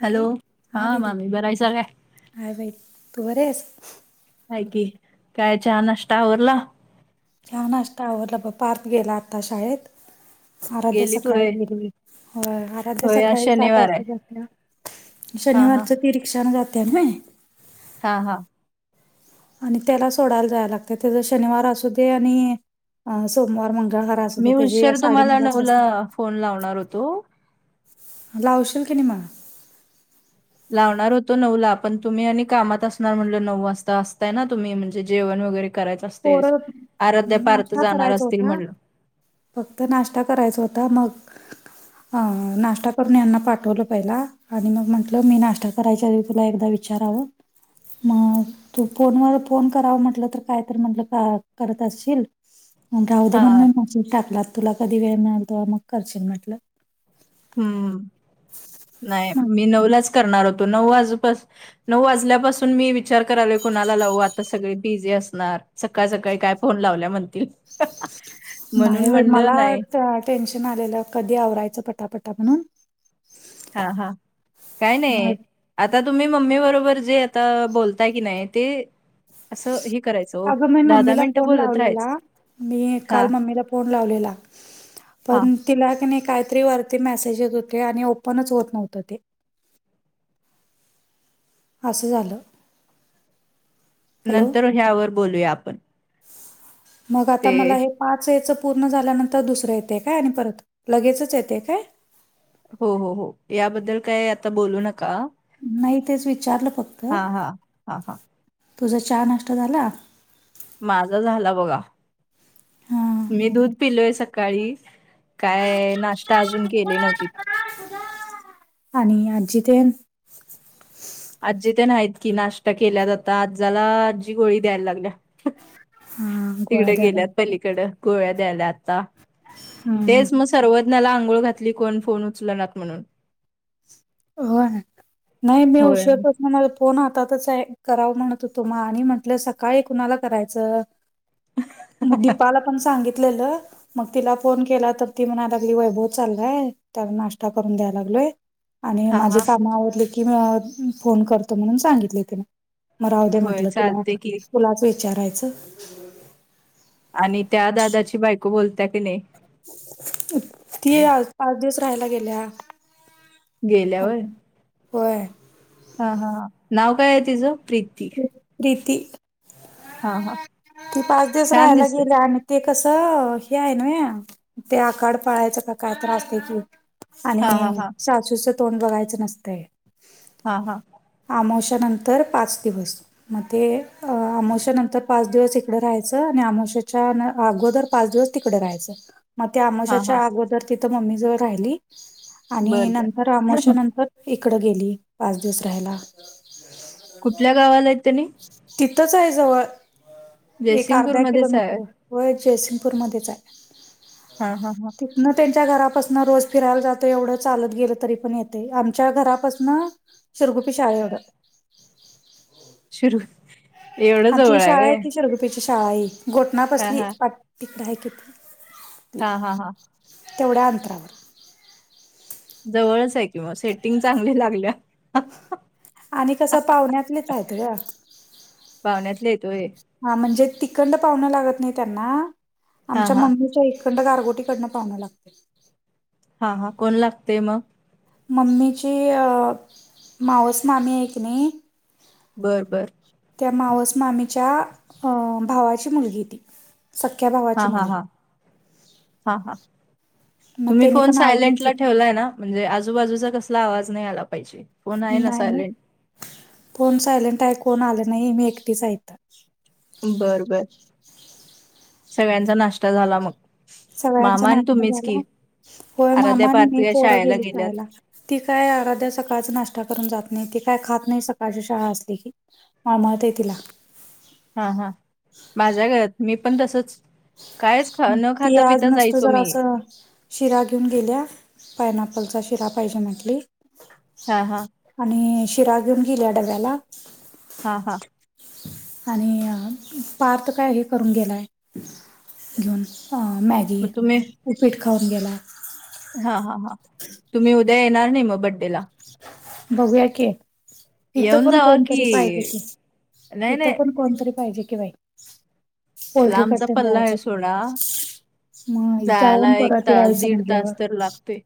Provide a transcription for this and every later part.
Hello हा दीदी मामी बरायसा काय हाय भाई तू बर आहेस ह की काय छान नष्ट आवरला छान असता आवडला ब पार्क गेला आता शाळेत आराध्या गेलीत सकाळी होय गेली आराध्य्या होय आज सकाळी सात शनिवार आहे वाजताते हा हा शनिवारचं ती रिक्षा जाते म हा हा आणि त्याला सोडायला जायला लागत त्याच शनिवार असू दे आणि सोमवार मग घ हो त्या ज साडे नऊ लाच असत फन लावणार होतो लावशील की नि म लावणार होतो नऊ ला पण तुम्ही आणि कामात असणार म्हटलं नऊ वाजता असताय ना तुम्ही म्हणजे जेवण वगैरे करायच असते पोरं आराध्या पारत नाश्ता जाणार करायचा असतील होता म्हण फक्त नाश्ता करायचा होता मग अ नाश्ता करून यांना पाठवलं पहिला आणि मग म्हंटलं मी नाश्ता करायच्या आध तुला एकदा विचारावं मग तू फोनवर फोन करावा म्हटलं तर काय म्हट करत अस राह दे हा म्हण म टाकलात तुला कधी वेळ मिळालतो मग खर्चे म्हटलं हम्म नाही मग मी नऊलाच करणार होतो नऊ आजूपास नऊ वाजल्यापासून मी विचार कराल कोुणाला लावू आता सगळे बिझी असणार सकाळ सकाळी काय फोन लावल्या म्हणतील म्हणून नाही म्हणलं मला नाही टेन्शन आलेलं कधी आवरायचं पटापटा म्हणून हा हा काय मग नाही आता तुम्ही मम्मी बरोबर जे आता बोलताय की नाही ते असं हे करायचं ओ अगं मी मम्मीला मिनिटं फोन बोलत लावलेला राहायचं. मी काल हां, मम्मीला फोन लावलेला हां. पण तिला क नाही काहीतरी वरती मेसेजेस होते आणि ओपनच होत नव्हत ते असं झालं हॅलो नंतर ह्यावर बोलूया आपण मग आता ते मला हे पाच याचं पूर्ण झाल्यानंतर दुसरं येते काय आणि परत लगेचच येते काय हो हो हो याबद्दल काय आता बोलू नका नाही तेच विचारलं फक्त हां, हां. हां, हां. तुझा चहा नष्ट झाला माझा झाला बघा हा मी दूध पिलोय सकाळी काय नाश्ता अजून केले नव्हती आणि आजजी ते आजी ते नाहीत की नाश्ता केल्या जाता आजाला आजी गोळी द्यायला लागल्या हा गोळ्या तिकडे द्यायला गेल्यात पलीकडं गोळ्या द्यायला आता हम्म तेच मस्त सर्वज्ञाला आंघोळ घातली कोण फोन उचल ना म्हणून हो नाही मी होय उशीत म मला फोन आताातच आहे करावं म्हणत होतो माग आणि म्हटलं सकाळी कुणाला करायचं [inaudible] मग दीपाला पण सांगितलेलं मग तिला फोन केला तर ती म्हणायलागली वैभव चाललाय त्याला नाश्ता करून द्याय लागलोय आणि हा माझे हा काम आवडले की म फोन करतो म्हणून सांगितले तिने मग राह दे होय म्हटलं तुला चालते की. तुलाच विचारायचं आणि त्या दादाची बायको बोलत्या की नाही ती आ पाच दिवस राहायला गेल्या गेल्या ह होय होय हा हा नाव काय आहे तिचं प्रीती प्रीती हा हा की पाच दिवस छान राहायला दिसते गेले आणि ते कसं हे आहे ना ते आकाड पळायचं का काय त्रासते कि आणि हा हा हा सासूचं तोंड बघायचं नसत हा हा अमावशानंतर पाच दिवस मग ते आमावशानंतर पाच दिवस तिकडे राहायचं आणि आमश्याच्या अगोदर पाच दिवस तिकडे राहायचं मग ते हा हा आमाशाच्या अगोदर तिथं मम्मी जवळ राहिली आणि बर बर नंतर आमोशा नंतर इकडं गेली पाच दिवस राहायला कुठल्या गावाला आहेत त्यानी तिथंच आहे जवळ एक अर्धा जयसिंगपूरमध्येच आहे. किलोमीटर व जयसिंगपूरमध्येध्येच आहे हा हा हा तिथनं त्यांच्या घरापासन रोज फिरायला जातो एवढं चालत गेलं तरी पण येते आमच्या घरापासन चिरगुपी ायोड. शरू एवढं जवळ आहे ग. शाळाई घोटनापसलीकड आहे किती? हा हा हा. तेवढ्या अंतरावर जवळच आहे की मग सेटिंग चांगली लागल्या. आणि कसं पाहुण्यातलेच आहेत ग. पाहुण्यातले येतोय. हा म्हणजे तखंड पाहण लागत नाही त्यांना हां, आमच्या हां. मम्मीच्या इ. अखंड गारगोटीडणं पाव लागते. हा हा कोण लागतेय मग मम्मीची माऊस मामी एक नी बर बर. त्या मावस मामेच्या भावाची मुलगी ती सख्या भावाची मुलगी हा हा मग तुम्ही त्यानी फोन पण आलत की सायलेंटला ठेवलाय ना. म्हणजे आजूबाजूचा कसला आवाज नाही आला पाहिजे. फोन आहे नाही ना सायलेंट? कोण सायलेंट आहे कोण आले नाही मी एकटीच ऐत. बर बर सगळ्यांचा नाश्ता झाला मग सगळ्यांचा मामा आणि नाश्ता तुम्हीच झाला की. होय आराध्या, मामानी मी पार्थवी या पोरं शाळेला गेली गेल्यात. खहायला ती काय अराध्या सकाळच नाश्ता करून जात नाही ती काय खात नाही सकाळची शाळा असली की माळ माहतयला हा हा माझ्या घरात मी पण तसच. ती आज नसतो जायचो जरा मी. असं. शिरा घेऊन गेल्या पायनपलचा शिरा पाहिजे म्हटली. हा हा. आणि शिरा घेऊन गेल्या डब्याला हा हा. आणि पार तर काय हे करून गेलाय घेऊन मॅग मग उपीट खाऊन गेला. हा हा हा तुम्ही उद्या येणार नाही मग बड्डेला. बघूया कि इथं येऊन पण जावा की. कोणतरी पाहिजे की नाही, इथं नाही पण कोणतरी पाहिजे कि बाई पोल्ट्री लांबचा करते पल्ला आहे जायाच्या सोडा. मग इ जायला जाऊन परत तास, यायचं दीड म्हटल्यावर तास तर लागतोय.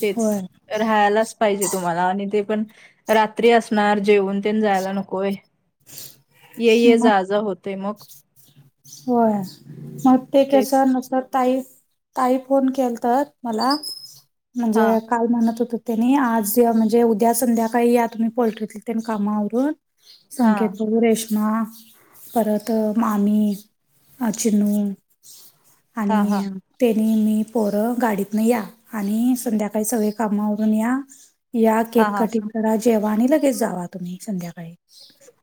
तेच होय. राहायलाच पाहिजे तुम्हाला आणि ते पण रात्री असणार जेवन तेण जायला नकोय. ये ये मग जाज होतय मग होय मग ते केस तेच. नसर ताई ताई फोन केल तर मला म्हणजे हां, काल मानत होत त्यानी आज म्हणजे उद्या संध्याकाळी या तुम्ही पोल्ट्रीतील कामावरून संकेत हां. बरू रेश्मा परत मामी चिन्नू हां, हां. आणि त्यानी मी पोरं गाडीतन या आणि संध्याकाळी सगळे कामावरून या. या हां, केक हां. कटिंग करा जेवा आणि लगेच जावा तुम्ही संध्याकाळी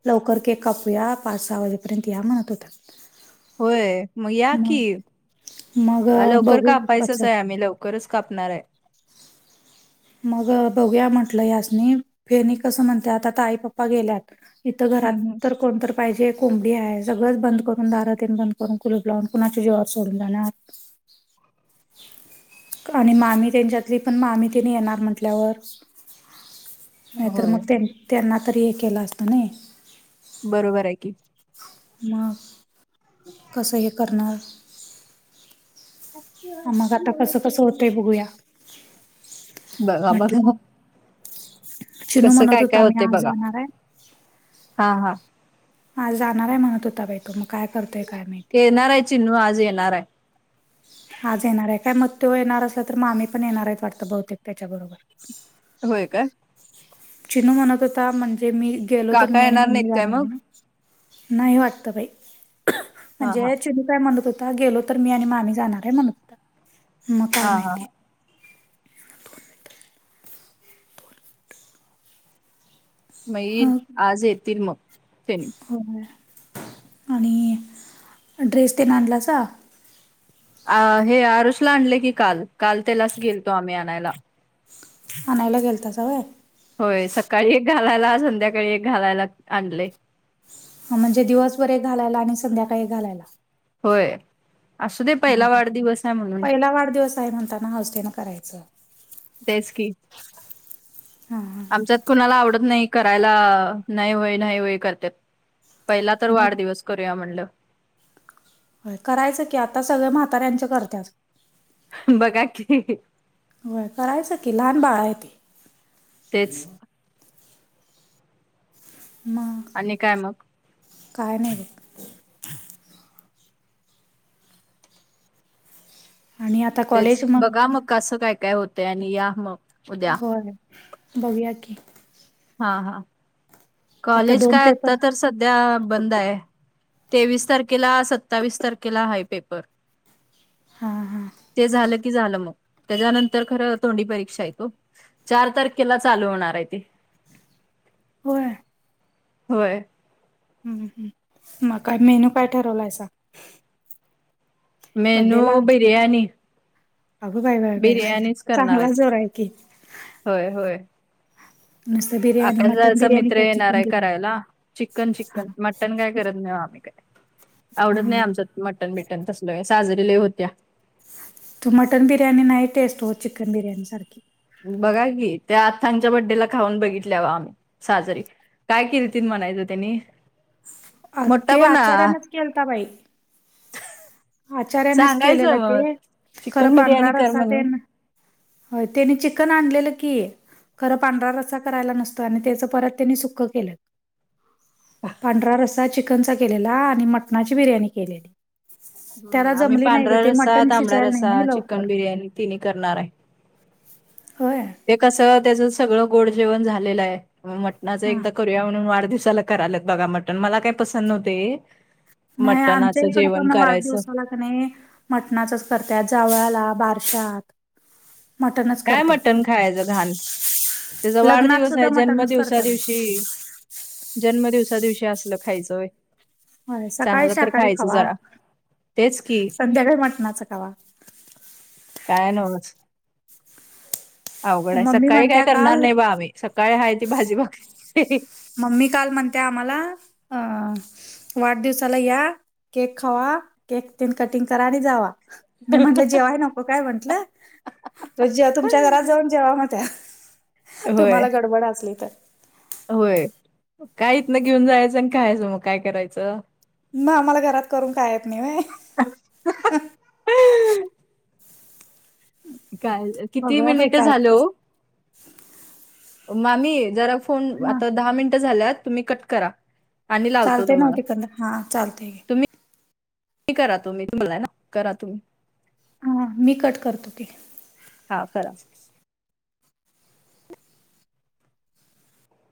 लवकर के कापूया पाच सहा वाजेपर्यंत या म्हणत होत. होय मग या की मग लवकर बघू का अयचंच कसं आहे आम्ही लवकर लकरच कापणार आहे. मग बघूया म्हंटलं यासनी फेणी कसं म्हणते आता आता आई पप्पा गेल्यात इथं हं, घरात हं. तर कोणतरी पाहिजे, कोंबडी आहे सगळंच बंद करून दारातन बंद करून कुलूप लावून कुणाचे ज्वर सोडून जाणार. [inaudible] आणि मामी त्यांच्यातली पण मामी तने येणार म्हटल्यावर, नाहीतर होय. मग त्यां त्यांना तरी हे केलं असतं नाही. बरोबर आहे की. मग, कसं हे करणार. ह मग आता कसं कसं होतय बघूया. बघा, बघा म्हटलं चिनू कसं म्हणत काय काय होता मी होते आज बघा, जाणार आहे हा, हा हा जाणार आहे म्हणत होता बाई तो, मग काय करतोय काय माहित. येणार आहे चिनू, आज येणार आहे. आज येणार आहे काय, मग तो येणार असला तर मामी पण येणार आहेत वाटतं बहुतेक त्याच्या बरोबर. होय का. चिनू म्हणत होता म्हणजे मी गेलो तर, काका मी आणि येणार नाहीत मम्मी काय जाणार मग? आहे. नाही वाटत बाई, हा हा. म्हणजे चिनी काय मणत होत गेलो तर मी आणि मामी जाणार आहे म्हणत होता, मग काय हा हा माहिती. हा. मग येईल, आज येतील मग ते. हो आणि ड्रेस ते ना आणलासा [unintelligible] अ हे आरुषला आणले की काल, काल त्यालाच गेलतो आम्ही आणायला. आणायला गेलता त वय? होय, सकाळी एक घालायला संध्याकाळी एक घालायला आणले. ह, म्हणजे दिवसभर एक घालायला आणि संध्याकाळी घालायला. होय, असू दे पहिला वाढदिवस आहे म्हणून. वाढदवस [unintelligible] काय म्हणताना हुसेन हुसेन [unintelligible] करायचं तेच की. हा, हा, आमच्यात कुणाला आवडत नाही करायला नाही होय नाही होय करत. पहिला तर मग वाढदिवस करूया म्हणलं. करायचं की, आता सगळ म्हाताऱ्यांच्या करतात. बघा की. होय, करायचं की लहान बाळ आहे ते. तेच. म [unintelligible] आणि काय मग. काय नाही. आणि आता तेच कॉलेज बघा मग कसं काय काय होतंय आणि या मग. उद्या होय, बघूया की- हा, हा, आता कॉलेज दोन काय आता पेपर तर सध्या बंद आहे. तेवीस तारखेला, सत्तावीस तारखेला, हाय पेपर हां हां ते झालं झालं मग, त्याच्यानंतर खर तोंडी परीक्षा येतो, चार तारखेला चालू होणार आहे ते. होय. होय. हम्, हं- म काय, मेनू काय ठरवलायचा. मेनू, बिरयाणी. अग बाई. बिर्याणीच करणार आहेत. होय, होय, नुसतं बिर्याणी मटन अकादचा बिर्याणी मित्र काय येणार चिकन आहे बिर्याणी करायला चिकन चिक्न हां म [unintelligible] मटन काय करत नाही आम्ही काय आवडत नाही हां आमचं मटन बिटन तसलो आहे साजरील्या होत्या तू मटन बिर्याणी नाही टेस्ट हो चिकन बिर्याणी सारखी बघा की त्या आत् सांच्या बड्डेला खाऊन बघितल्यावा आम्ही साजरी काय केलं त म्हणायचं त्यांनी अ मोठा ते पण आचार्यानच केलता बाई आचार्यानेच सांगायचं केलेलं मग ते खरं चिकन बिर्याणी पांढरार कर असा ते म्हणून हो त्याने चिकन आणलेलं की खरं पांढर र अससा करायला नसतो आणि त्याचं परत त्यांनी सुख केलं पांढरा रस्सा चिकनचा केलेला आणि मटणाची बिर्याणी केलेली त्याला हम आम्ही जमली नाही ग पांढरा ते रसा मटण तांबडा शिजायला नाही रसा नाही चिकन लवकर बिर्याणी तिन्ही करणार आहे हो ते कसं त्याच सगळं गोड जेवण झालेलं आहे मटणाचं हा एकदा ू म्हणून वाढदवसाला करात बघा मटण मला काय पसंद नव्हते नाही आमच्या मटणाचं इकडे जेवण पण करायचं वाढदिवसा लाग मटणाचच करत जावळाला बारशात मटणच काय करत्यात मटण खायचं घाण त्याचा लग्नात वाढदिवस सुद्धा आहे मटणच जन्मदिवसा करत्यात दिवशी जन्मदिवसा दिवशी असल खायचंय हो सकाळी शाकाहारी खावा तेच की संध्याकाळी मटणाच खावा काय नवस अवघड आहे मम्मी सकाळी काय म्हणत्या करणार काल नाही बा आम्ही सकाळी हाय ती भाजी भाक मम्मी काल म्हणते आम्हाला अ वाढदिवसाला या केक खावा केक ते कटिंग करा आणि जावा मी म्हंटलं जेव्हाय नको काय म्हंटलं तर जेव तुमच्या घरात जाऊन जेव मग त्या होय तुम्हाला गडबड असली तर होय काय इथनं घेऊन जायचं आणि खयचं मग काय करायचं ना आम्हाला घरात करून कायेत नाही काय किती बघूया बाई मिनिट काय झालहो मामी जरा फोन हा आता दहा मिनिटं झाल्यात तुम्ही कट करा आणि लावतो चालते तुम्हाला नव्हती कंद हा चालतय हे करा तो म्ी तुम्हाला ना करा हा मी कट करतो ते हा खरा